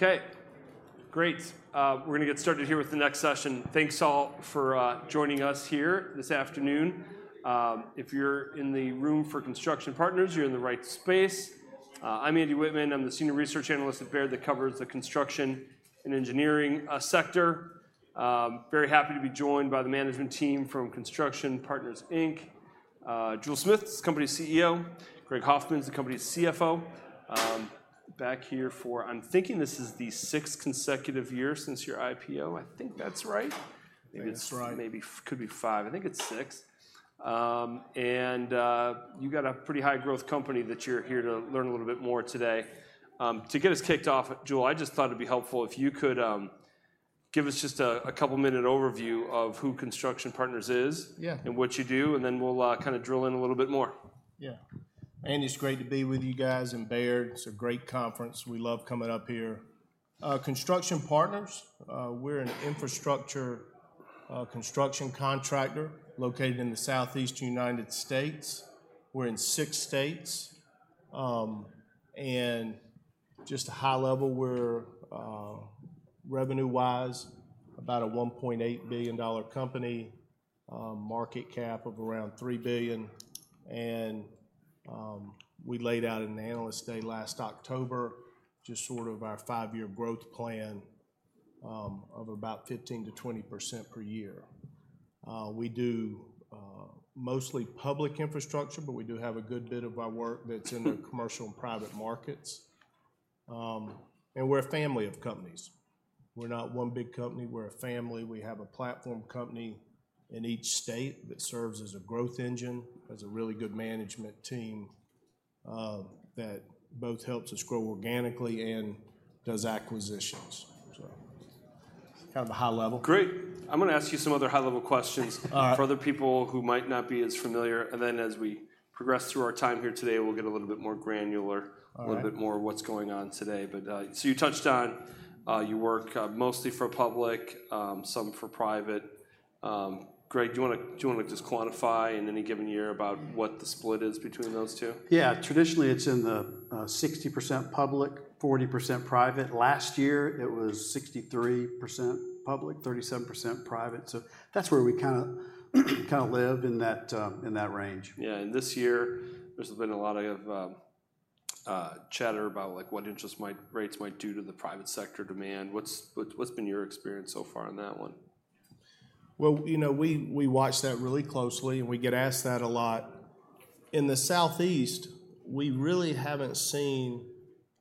Okay, great. We're gonna get started here with the next session. Thanks, all, for joining us here this afternoon. If you're in the room for Construction Partners, you're in the right space. I'm Andy Wittmann. I'm the Senior Research Analyst at Baird that covers the Construction and Engineering sector. Very happy to be joined by the management team from Construction Partners Inc, Jule Smith is the company's CEO. Greg Hoffman is the company's CFO. Back here for, I'm thinking this is the sixth consecutive year since your IPO. I think that's right? I think that's right. Maybe could be five. I think it's six. And you've got a pretty high growth company that you're here to learn a little bit more today. To get us kicked off, Jule, I just thought it'd be helpful if you could give us just a couple minute overview of who Construction Partners is. Yeah. -and what you do, and then we'll kinda drill in a little bit more. Yeah. Andy, it's great to be with you guys, and Baird, it's a great conference. We love coming up here. Construction Partners, we're an infrastructure construction contractor located in the southeastern United States. We're in six states. And just a high level, we're revenue-wise, about a $1.8 billion company, market cap of around $3 billion, and we laid out an analyst day last October, just sort of our five-year growth plan of about 15%-20% per year. We do mostly public infrastructure, but we do have a good bit of our work that's in the commercial and private markets. And we're a family of companies. We're not one big company, we're a family. We have a platform company in each state that serves as a growth engine, has a really good management team, that both helps us grow organically and does acquisitions. So kind of a high level. Great. I'm gonna ask you some other high-level questions- For the people who might not be as familiar, and then as we progress through our time here today, we'll get a little bit more granular. All right. A little bit more of what's going on today. But, so you touched on you work mostly for public, some for private. Greg, do you wanna just quantify in any given year about what the split is between those two? Yeah. Traditionally, it's in the 60% public, 40% private. Last year, it was 63% public, 37% private, so that's where we kinda, kinda live, in that range. Yeah, and this year, there's been a lot of chatter about, like, what interest rates might do to the private sector demand. What's been your experience so far on that one? Well, you know, we, we watch that really closely, and we get asked that a lot. In the Southeast, we really haven't seen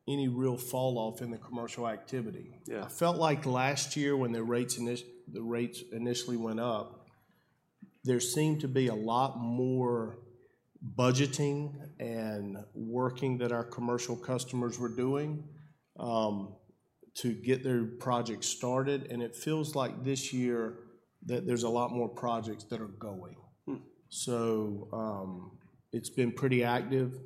any real fall off in the commercial activity. Yeah. I felt like last year, when the rates initially went up, there seemed to be a lot more budgeting and working that our commercial customers were doing, to get their projects started, and it feels like this year, that there's a lot more projects that are going. Hmm. So, it's been pretty active.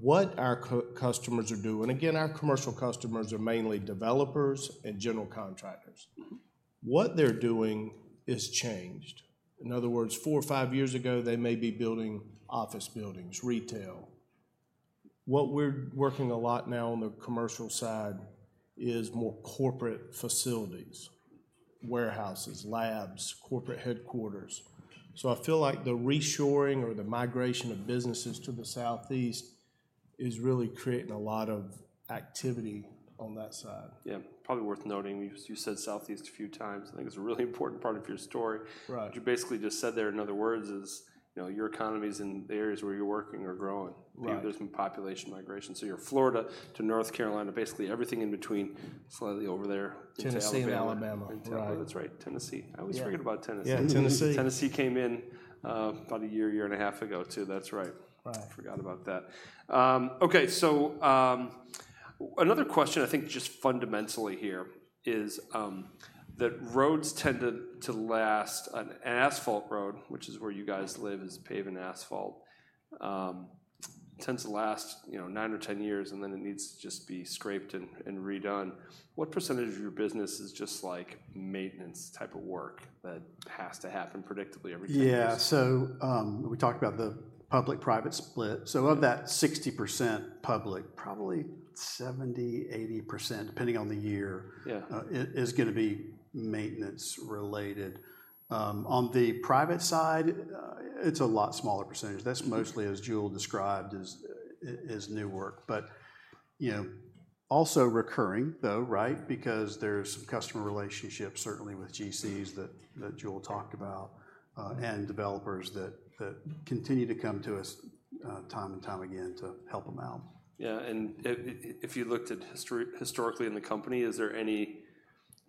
What our customers are doing. Again, our commercial customers are mainly developers and general contractors. Mm-hmm. What they're doing is changed. In other words, four or five years ago, they may be building office buildings, retail. What we're working a lot now on the commercial side is more corporate facilities, warehouses, labs, corporate headquarters. So I feel like the reshoring or the migration of businesses to the Southeast is really creating a lot of activity on that side. Yeah, probably worth noting, you said Southeast a few times. I think it's a really important part of your story. Right. What you basically just said there, in other words, is, you know, your economy's in the areas where you're working or growing. Right. There's been population migration. So you're Florida to North Carolina, basically everything in between, slightly over there, Tennessee, and Alabama. Tennessee and Alabama. Right. That's right, Tennessee. Yeah. I always forget about Tennessee. Yeah, Tennessee. Tennessee came in about a year, year and a half ago, too. That's right. Right. I forgot about that. Okay, so, another question, I think just fundamentally here, is that roads tend to last... An asphalt road, which is where you guys live, is paved in asphalt, tends to last, you know, 9 or 10 years, and then it needs to just be scraped and redone. What percentage of your business is just, like, maintenance type of work that has to happen predictably every 10 years? Yeah. So, we talked about the public/private split. So of that 60% public, probably 70%, 80%, depending on the year- Yeah... is gonna be maintenance related. On the private side, it's a lot smaller percentage. That's mostly, as Jule described, new work, but, you know, also recurring, though, right? Because there's customer relationships, certainly with GCs, that Jule talked about, and developers that continue to come to us, time and time again to help 'em out. Yeah, and if you looked at historically in the company, is there any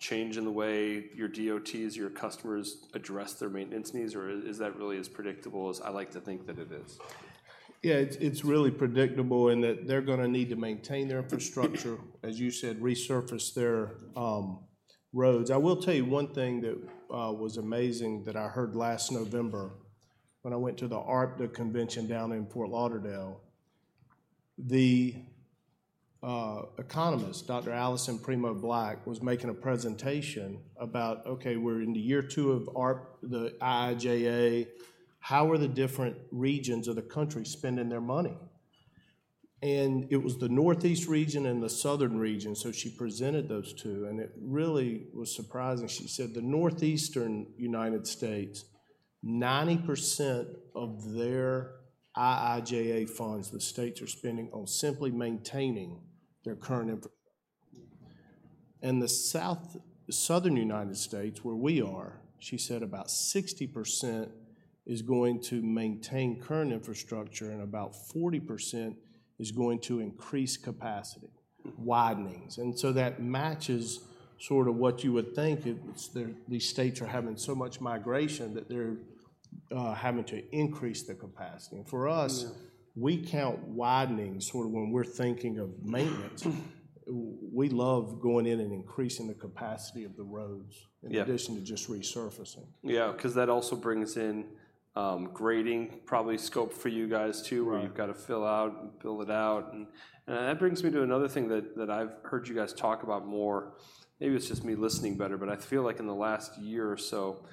change in the way your DOTs, your customers, address their maintenance needs, or is that really as predictable as I like to think that it is? Yeah, it's, it's really predictable in that they're gonna need to maintain their infrastructure, as you said, resurface their roads. I will tell you one thing that was amazing, that I heard last November when I went to the ARTBA convention down in Fort Lauderdale. The economist, Dr. Alison Premo Black, was making a presentation about: Okay, we're in the year two of ARP, the IIJA.... how are the different regions of the country spending their money? And it was the Northeast region and the Southern region, so she presented those two, and it really was surprising. She said, "The Northeastern United States, 90% of their IIJA funds, the states are spending on simply maintaining their current infrastructure—" And the South, Southern United States, where we are, she said, "About 60% is going to maintain current infrastructure, and about 40% is going to increase capacity, widenings." And so that matches sort of what you would think. It's, there, these states are having so much migration that they're having to increase the capacity. And for us- Yeah. We count widening sort of when we're thinking of maintenance. We love going in and increasing the capacity of the roads - Yeah in addition to just resurfacing. Yeah, 'cause that also brings in, grading, probably scope for you guys, too- Right Where you've got to fill out and build it out. And that brings me to another thing that I've heard you guys talk about more. Maybe it's just me listening better, but I feel like in the last year or so,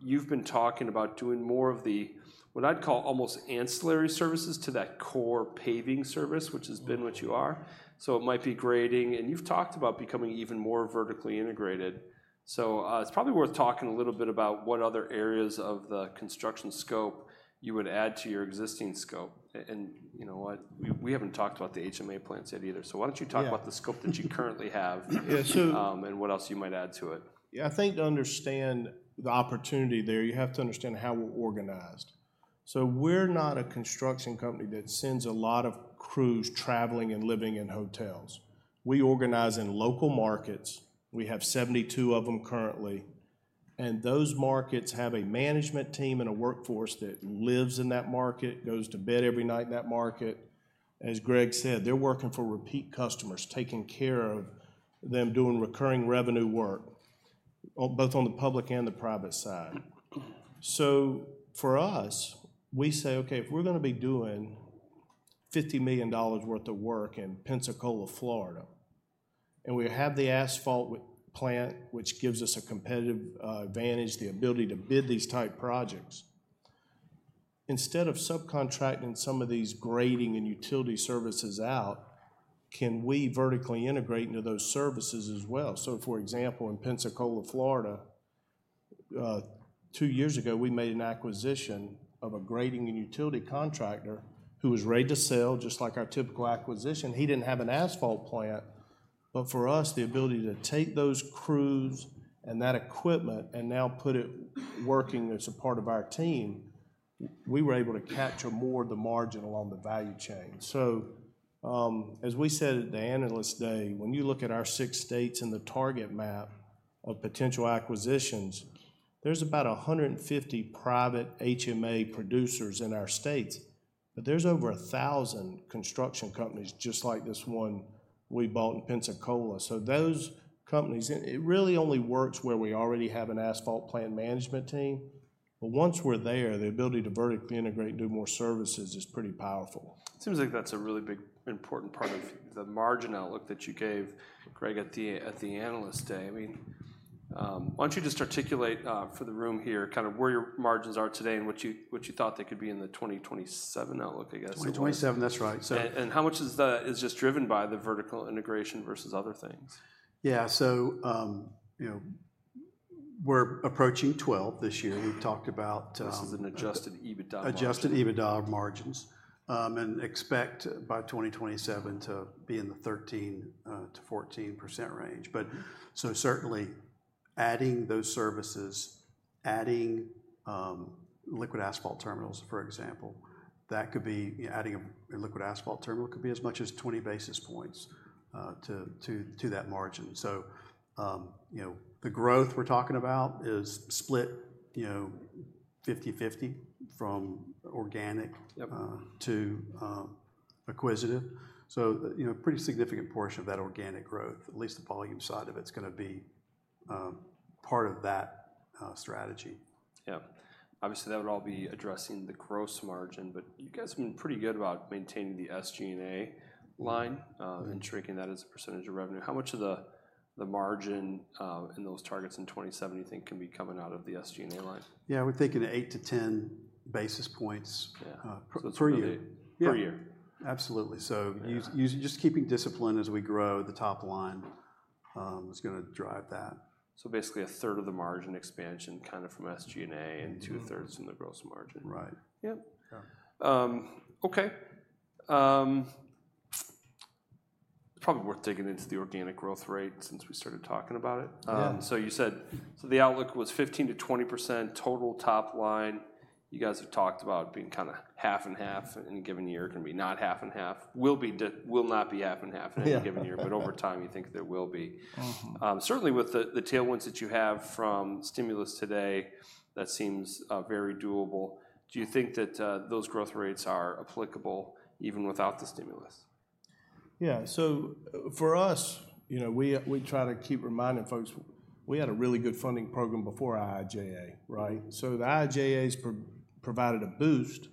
you've been talking about doing more of the, what I'd call almost ancillary services to that core paving service, which has been what you are. So it might be grading, and you've talked about becoming even more vertically integrated. So, it's probably worth talking a little bit about what other areas of the construction scope you would add to your existing scope. And you know what? We haven't talked about the HMA plants yet either. So why don't you talk about- Yeah The scope that you currently have? Yeah, so- And what else you might add to it. Yeah, I think to understand the opportunity there, you have to understand how we're organized. So we're not a construction company that sends a lot of crews traveling and living in hotels. We organize in local markets. We have 72 of them currently, and those markets have a management team and a workforce that lives in that market, goes to bed every night in that market. As Greg said, they're working for repeat customers, taking care of them, doing recurring revenue work, both on the public and the private side. So for us, we say, "Okay, if we're gonna be doing $50 million worth of work in Pensacola, Florida, and we have the asphalt with plant, which gives us a competitive advantage, the ability to bid these type projects, instead of subcontracting some of these grading and utility services out, can we vertically integrate into those services as well?" So, for example, in Pensacola, Florida, two years ago, we made an acquisition of a grading and utility contractor who was ready to sell, just like our typical acquisition. He didn't have an asphalt plant, but for us, the ability to take those crews and that equipment and now put it working as a part of our team, we were able to capture more of the margin along the value chain. So, as we said at the Analyst Day, when you look at our six states and the target map of potential acquisitions, there's about 150 private HMA producers in our states, but there's over 1,000 construction companies just like this one we bought in Pensacola. So those companies, it really only works where we already have an asphalt plant management team, but once we're there, the ability to vertically integrate and do more services is pretty powerful. It seems like that's a really big, important part of the margin outlook that you gave, Greg, at the, at the Analyst Day. I mean, why don't you just articulate, for the room here, kind of where your margins are today and what you, what you thought they could be in the 2027 outlook, I guess? 2027, that's right. So- And how much of that is just driven by the vertical integration versus other things? Yeah, so, you know, we're approaching 12 this year. We've talked about, This is an adjusted EBITDA. Adjusted EBITDA margins, and expect by 2027 to be in the 13%-14% range. But, so certainly, adding those services, adding liquid asphalt terminals, for example, that could be... Adding a liquid asphalt terminal could be as much as 20 basis points to that margin. So, you know, the growth we're talking about is split, you know, 50/50 from organic- Yep... to acquisitive. So, you know, a pretty significant portion of that organic growth, at least the volume side of it, is gonna be part of that strategy. Yep. Obviously, that would all be addressing the gross margin, but you guys have been pretty good about maintaining the SG&A line- Mm-hmm... and shrinking that as a percentage of revenue. How much of the margin and those targets in 2070 you think can be coming out of the SG&A line? Yeah, we're thinking 8-10 basis points- Yeah... per year. Per year? Yeah. Absolutely. Yeah. Just keeping discipline as we grow the top line is gonna drive that. Basically, a third of the margin expansion kind of from SG&A- Mm-hmm... and two-thirds from the gross margin. Right. Yep. Yeah. Okay, it's probably worth digging into the organic growth rate since we started talking about it. Yeah. So you said, so the outlook was 15%-20% total top line. You guys have talked about being kinda half and half in a given year, can be not half and half, will not be half and half- Yeah... in a given year, but over time, you think there will be. Mm-hmm. Certainly with the, the tailwinds that you have from stimulus today, that seems very doable. Do you think that those growth rates are applicable even without the stimulus? Yeah. So for us, you know, we try to keep reminding folks, we had a really good funding program before IIJA, right? So the IIJA's provided a boost,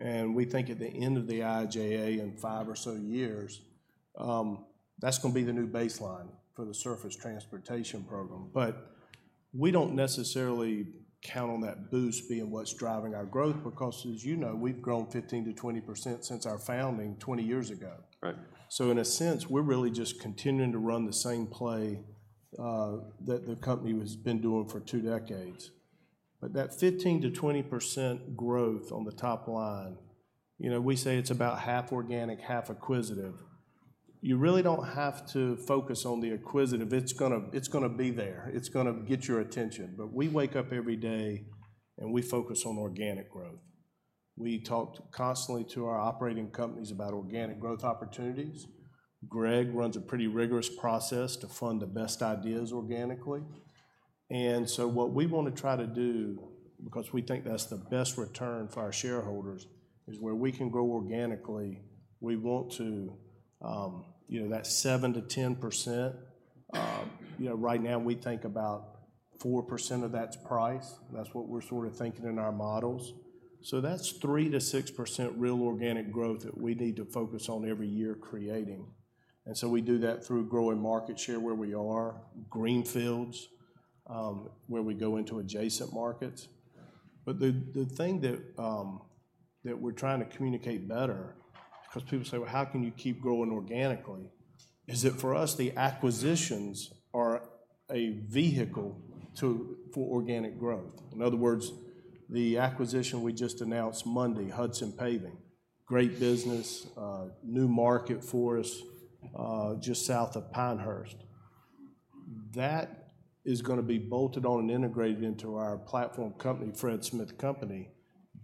and we think at the end of the IIJA, in five or so years, that's gonna be the new baseline for the Surface Transportation program. But we don't necessarily count on that boost being what's driving our growth, because as you know, we've grown 15%-20% since our founding 20 years ago. Right. So in a sense, we're really just continuing to run the same play that the company has been doing for two decades. But that 15%-20% growth on the top line, you know, we say it's about half organic, half acquisitive. You really don't have to focus on the acquisitive. It's gonna, it's gonna be there. It's gonna get your attention. But we wake up every day, and we focus on organic growth. We talk constantly to our operating companies about organic growth opportunities. Greg runs a pretty rigorous process to fund the best ideas organically. And so what we wanna try to do, because we think that's the best return for our shareholders, is where we can grow organically, we want to, you know, that 7%-10%. You know, right now, we think about 4% of that's price. That's what we're sorta thinking in our models. So that's 3%-6% real organic growth that we need to focus on every year creating, and so we do that through growing market share where we are, greenfields, where we go into adjacent markets. But the thing that we're trying to communicate better, 'cause people say, "Well, how can you keep growing organically?" is that for us, the acquisitions are a vehicle to... for organic growth. In other words, the acquisition we just announced Monday, Hudson Paving, great business, a new market for us, just south of Pinehurst. That is gonna be bolted on and integrated into our platform company, Fred Smith Company.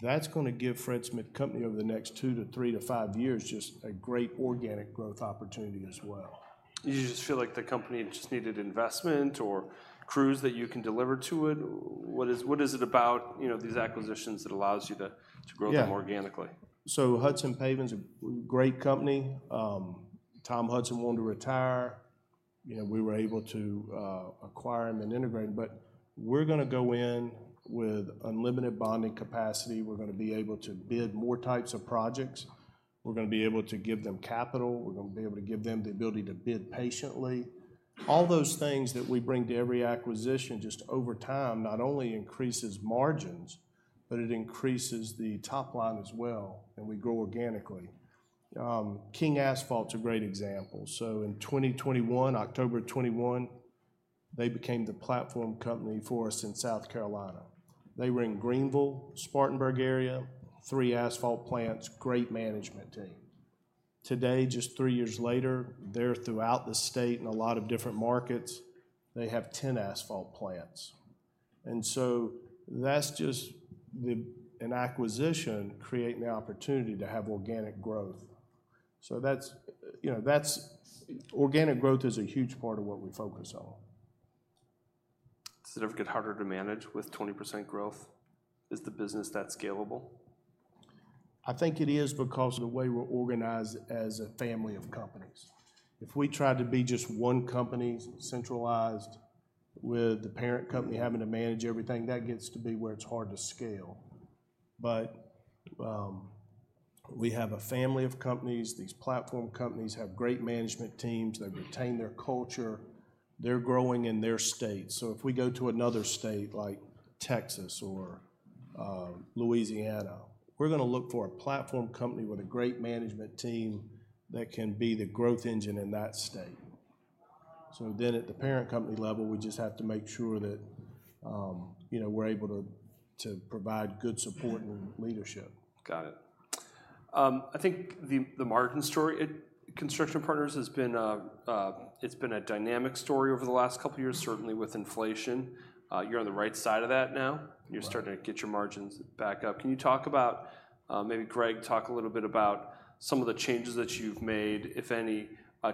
That's gonna give Fred Smith Company, over the next 2 to 3 to 5 years, just a great organic growth opportunity as well. Did you just feel like the company just needed investment or crews that you can deliver to it? What is it about, you know, these acquisitions that allows you to, to grow- Yeah... them organically? So Hudson Paving's a great company. Tom Hudson wanted to retire. You know, we were able to acquire him and integrate him. But we're gonna go in with unlimited bonding capacity. We're gonna be able to bid more types of projects. We're gonna be able to give them capital. We're gonna be able to give them the ability to bid patiently. All those things that we bring to every acquisition, just over time, not only increases margins, but it increases the top line as well, and we grow organically. King Asphalt's a great example. So in 2021, October of 2021, they became the platform company for us in South Carolina. They were in Greenville, Spartanburg area, three asphalt plants, great management team. Today, just three years later, they're throughout the state in a lot of different markets. They have 10 asphalt plants, and so that's just an acquisition creating the opportunity to have organic growth. So that's, you know, that's... Organic growth is a huge part of what we focus on. Does it ever get harder to manage with 20% growth? Is the business that scalable? I think it is because of the way we're organized as a family of companies. If we try to be just one company, centralized, with the parent company having to manage everything, that gets to be where it's hard to scale. But, we have a family of companies. These platform companies have great management teams. They've retained their culture. They're growing in their states. So if we go to another state, like Texas or, Louisiana, we're gonna look for a platform company with a great management team that can be the growth engine in that state. So then, at the parent company level, we just have to make sure that, you know, we're able to provide good support and leadership. Got it. I think the margin story at Construction Partners has been, it's been a dynamic story over the last couple of years, certainly with inflation. You're on the right side of that now.... you're starting to get your margins back up. Can you talk about, maybe Greg, talk a little bit about some of the changes that you've made, if any,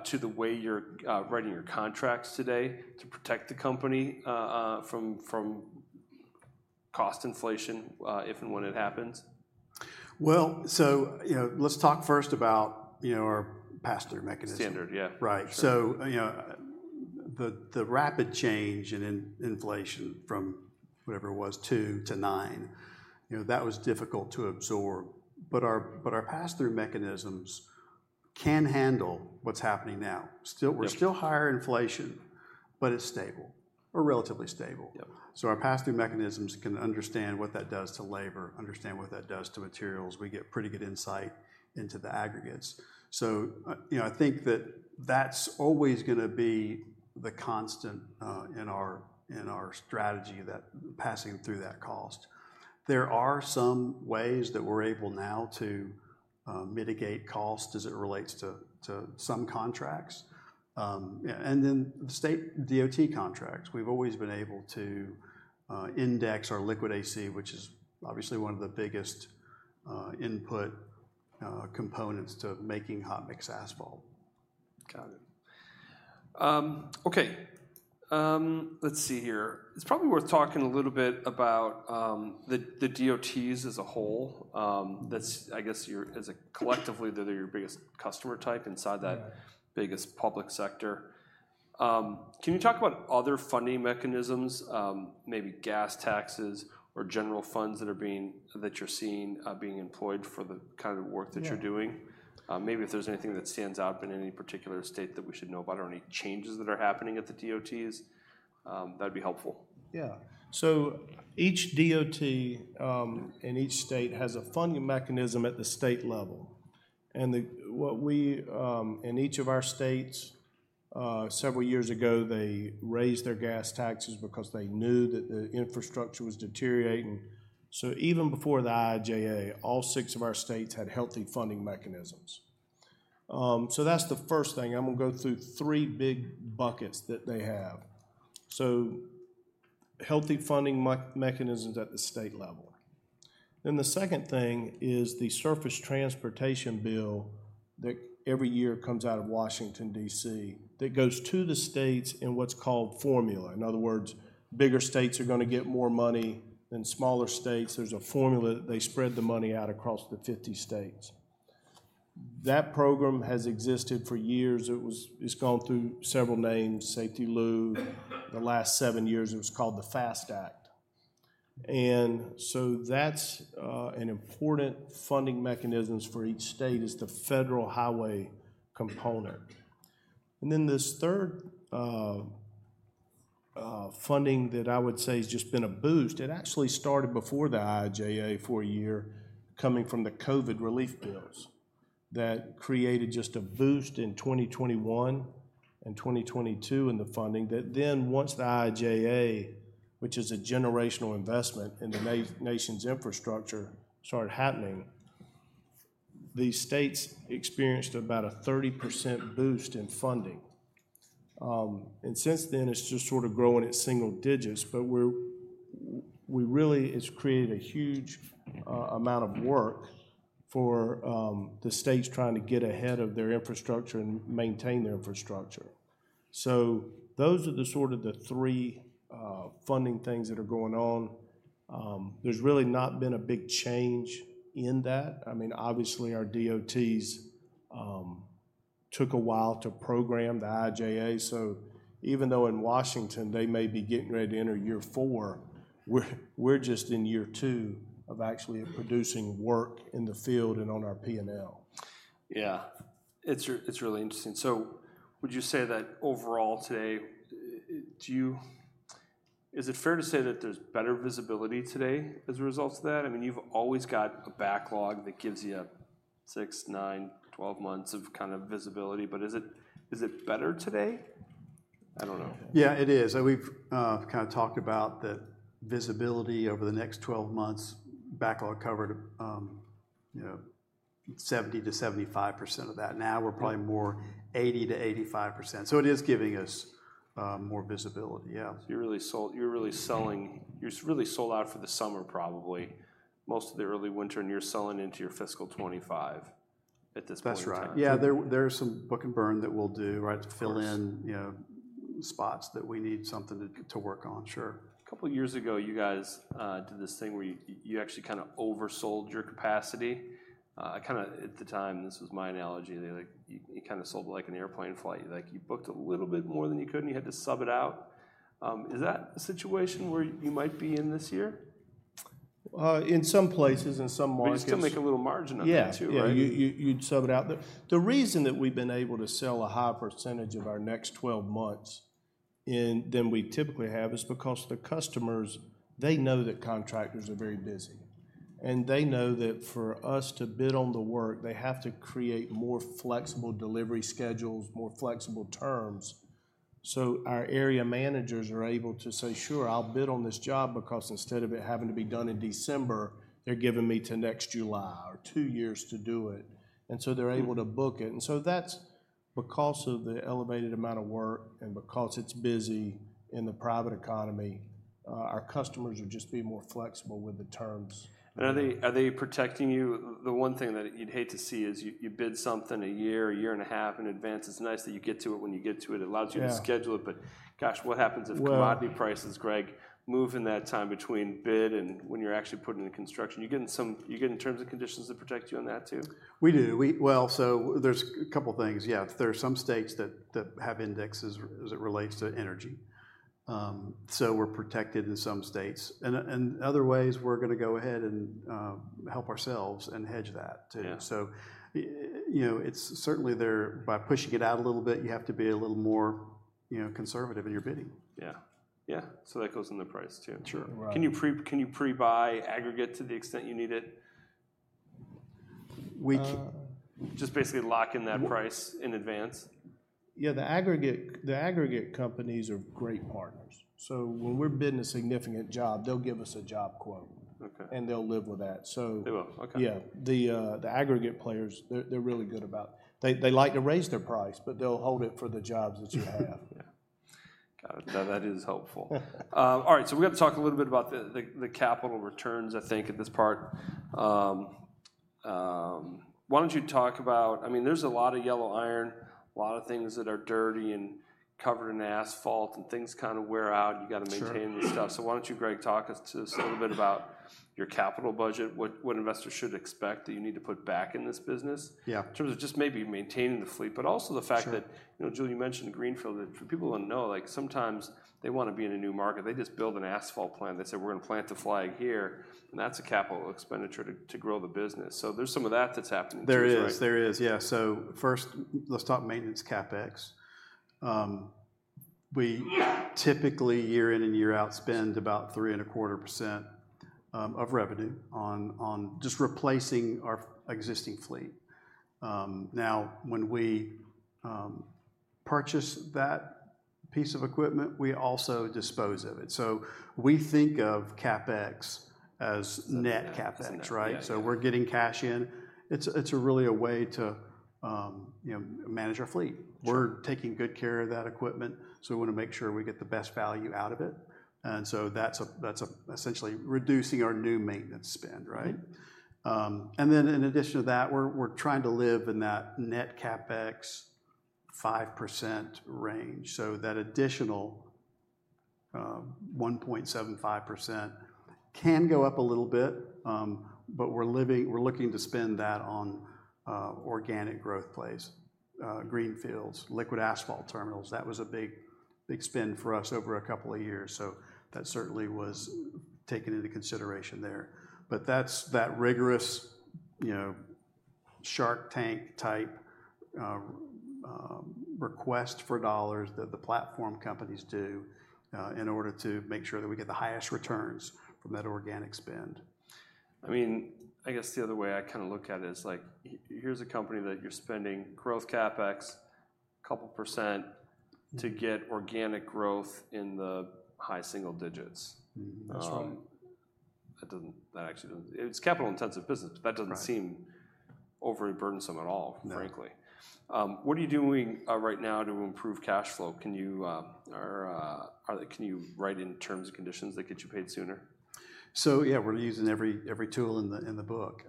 to the way you're writing your contracts today, to protect the company, from cost inflation, if and when it happens? Well, so, you know, let's talk first about, you know, our pass-through mechanism. Standard, yeah. Right. So, you know, the rapid change in inflation, from whatever it was, 2%-9%, you know, that was difficult to absorb. But our pass-through mechanisms can handle what's happening now. Still- Yep... we're still higher inflation, but it's stable, or relatively stable. Yep. So our pass-through mechanisms can understand what that does to labor, understand what that does to materials. We get pretty good insight into the aggregates. So, you know, I think that that's always gonna be the constant, in our, in our strategy, that passing through that cost. There are some ways that we're able now to, mitigate cost as it relates to, to some contracts. Yeah, and then state DOT contracts, we've always been able to, index our liquid AC, which is obviously one of the biggest, input, components to making hot-mix asphalt. Got it. Okay, let's see here. It's probably worth talking a little bit about, the, the DOTs as a whole. That's, I guess, your, as a, collectively, they're your biggest customer type inside that- Yeah... biggest public sector. Can you talk about other funding mechanisms, maybe gas taxes or general funds that you're seeing being employed for the kind of work that you're doing? Yeah. Maybe if there's anything that stands out in any particular state that we should know about, or any changes that are happening at the DOTs, that'd be helpful. Yeah. So each DOT and each state has a funding mechanism at the state level. In each of our states, several years ago, they raised their gas taxes because they knew that the infrastructure was deteriorating. So even before the IIJA, all six of our states had healthy funding mechanisms. So that's the first thing. I'm gonna go through three big buckets that they have. So, healthy funding mechanisms at the state level. Then the second thing is the surface transportation bill that every year comes out of Washington, D.C., that goes to the states in what's called formula. In other words, bigger states are gonna get more money than smaller states. There's a formula that they spread the money out across the 50 states. That program has existed for years. It's gone through several names, SAFETEA-LU. The last seven years, it was called the FAST Act. So that's an important funding mechanism for each state, is the federal highway component. And then this third funding that I would say has just been a boost, it actually started before the IIJA for a year, coming from the COVID relief bills, that created just a boost in 2021 and 2022 in the funding. That then, once the IIJA, which is a generational investment in the nation's infrastructure, started happening, these states experienced about a 30% boost in funding. And since then, it's just sort of growing at single digits, but we really, it's created a huge amount of work for the states trying to get ahead of their infrastructure and maintain their infrastructure. So those are the sort of the three funding things that are going on. There's really not been a big change in that. I mean, obviously, our DOTs took a while to program the IIJA, so even though in Washington they may be getting ready to enter year four, we're, we're just in year two of actually producing work in the field and on our P&L. Yeah. It's really interesting. So would you say that overall today, do you... Is it fair to say that there's better visibility today as a result of that? I mean, you've always got a backlog that gives you 6, 9, 12 months of kind of visibility, but is it, is it better today? I don't know. Yeah, it is. We've kind of talked about the visibility over the next 12 months. Backlog covered, you know, 70%-75% of that. Now we're probably more 80%-85%. So it is giving us more visibility, yeah. So you're really sold, you're really selling, you're really sold out for the summer, probably, most of the early winter, and you're selling into your fiscal 25 at this point in time. That's right. Yeah, there's some book and burn that we'll do- Right... to fill in, you know, spots that we need something to work on. Sure. A couple years ago, you guys, did this thing where you, you actually kind of oversold your capacity. I kind of, at the time, this was my analogy, and like, you, you kind of sold like an airplane flight. Like, you booked a little bit more than you could, and you had to sub it out. Is that a situation where you might be in this year? In some places, in some markets- But you still make a little margin on that, too, right? Yeah, yeah. You'd sub it out. The reason that we've been able to sell a high percentage of our next twelve months in, than we typically have, is because the customers, they know that contractors are very busy, and they know that for us to bid on the work, they have to create more flexible delivery schedules, more flexible terms. So our area managers are able to say, "Sure, I'll bid on this job, because instead of it having to be done in December, they're giving me till next July or two years to do it. They're able to book it. That's because of the elevated amount of work, and because it's busy in the private economy, our customers are just being more flexible with the terms. Are they, are they protecting you? The one thing that you'd hate to see is you, you bid something a year, a year and a half in advance. It's nice that you get to it when you get to it. Yeah. It allows you to schedule it, but gosh, what happens if commodity prices- Well- Greg, move in that time between bid and when you're actually putting in construction? You get in terms and conditions that protect you on that, too? We do. Well, so there's a couple things. Yeah, there are some states that have indexes as it relates to energy. So we're protected in some states. And in other ways, we're gonna go ahead and help ourselves and hedge that, too. Yeah. So, you know, it's certainly there, by pushing it out a little bit, you have to be a little more, you know, conservative in your bidding. Yeah. Yeah, so that goes in the price, too? Sure. Right. Can you pre-buy aggregate to the extent you need it? We c- Just basically lock in that price in advance? Yeah, the aggregate, the aggregate companies are great partners. So when we're bidding a significant job, they'll give us a job quote. Okay. They'll live with that. So- They will? Okay. Yeah. The aggregate players, they're really good about... They like to raise their price, but they'll hold it for the jobs that you have. Yeah. Got it. Now, that is helpful. All right, so we're gonna talk a little bit about the capital returns, I think, at this part. Why don't you talk about... I mean, there's a lot of yellow iron, a lot of things that are dirty and covered in asphalt, and things kinda wear out- Sure. -And you gotta maintain this stuff. So why don't you, Greg, talk to us a little bit about your capital budget. What investors should expect that you need to put back in this business- Yeah in terms of just maybe maintaining the fleet, but also the fact that- Sure You know, Jule, you mentioned greenfield. That for people who don't know, like, sometimes they wanna be in a new market, they just build an asphalt plant. They say, "We're gonna plant a flag here," and that's a capital expenditure to, to grow the business. So there's some of that that's happening too, right? There is. There is, yeah. So first, let's talk maintenance CapEx. We typically, year in and year out, spend about 3.25% of revenue on just replacing our existing fleet. Now, when we purchase that piece of equipment, we also dispose of it. So we think of CapEx as net CapEx- As net, yeah.... right? So we're getting cash in. It's really a way to, you know, manage our fleet. We're taking good care of that equipment, so we wanna make sure we get the best value out of it, and so that's essentially reducing our new maintenance spend, right? And then in addition to that, we're trying to live in that net CapEx 5% range. So that additional 1.75% can go up a little bit, but we're looking to spend that on organic growth plays, greenfields, liquid asphalt terminals. That was a big, big spend for us over a couple of years, so that certainly was taken into consideration there. But that's that rigorous, you know, Shark Tank type request for dollars that the platform companies do in order to make sure that we get the highest returns from that organic spend. I mean, I guess the other way I kinda look at it is, like, here's a company that you're spending growth CapEx, couple percent-... to get organic growth in the high single digits. Mm-hmm. That's right. That actually... It's a capital-intensive business. Right. But that doesn't seem overly burdensome at all- No... frankly. What are you doing right now to improve cash flow? Can you write in terms and conditions that get you paid sooner? So yeah, we're using every tool in the book.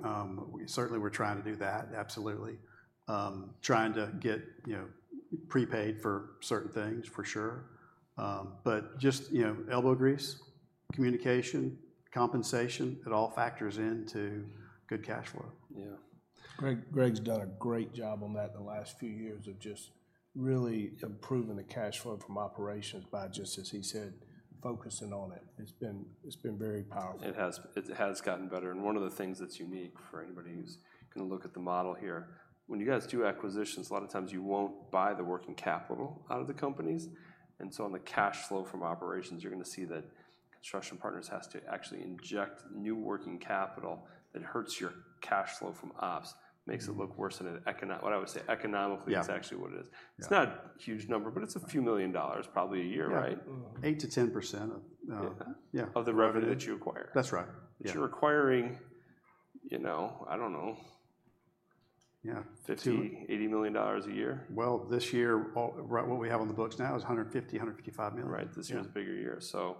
We certainly are trying to do that, absolutely. Trying to get, you know, prepaid for certain things, for sure. But just, you know, elbow grease, communication, compensation, it all factors into good cash flow. Yeah. Greg, Greg's done a great job on that in the last few years of just really improving the cash flow from operations by just, as he said, focusing on it. It's been, it's been very powerful. It has. It has gotten better, and one of the things that's unique, for anybody who's gonna look at the model here, when you guys do acquisitions, a lot of times you won't buy the working capital out of the companies, and so on the cash flow from operations, you're gonna see that Construction Partners has to actually inject new working capital. That hurts your cash flow from ops, makes it look worse than it, what I would say, economically- Yeah... it's actually what it is. Yeah. It's not a huge number, but it's $a few million probably a year, right? Yeah. Mm. 8%-10% of, Yeah. Yeah. Of the revenue that you acquire. That's right. Yeah. But you're acquiring, you know, I don't know- Yeah, fifty-... $80 million a year? Well, this year, alright, what we have on the books now is $155 million. Right. Yeah. This year's a bigger year, so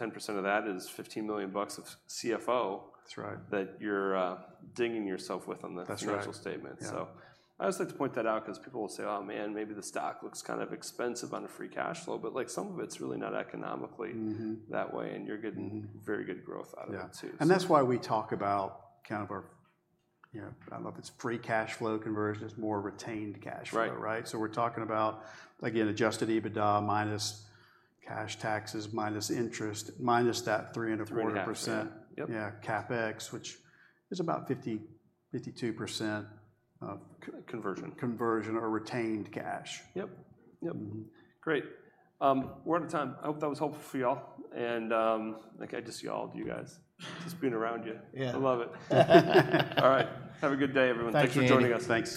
10% of that is $15 million of CFO- That's right... that you're dinging yourself with on the- That's right... financial statement. Yeah. So, I just like to point that out, 'cause people will say, "Oh, man, maybe the stock looks kind of expensive on a free cash flow," but, like, some of it's really not economically- Mm-hmm... that way, and you're getting- Mm-hmm... very good growth out of it, too. Yeah. That's why we talk about kind of our, you know, I don't know if it's free cash flow conversion, it's more retained cash flow- Right... right? So we're talking about, again, Adjusted EBITDA minus cash taxes, minus interest, minus that 3.25%- 3.5. Yep... yeah, CapEx, which is about 50%-52% of- Conversion... conversion or retained cash. Yep. Yep. Mm-hmm. Great. We're out of time. I hope that was helpful for y'all, and, like, I just see all of you guys, just being around you- I love it. All right, have a good day, everyone. Thanks for being here. Thanks for joining us. Thanks.